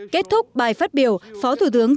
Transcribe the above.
kết thúc bài phát biểu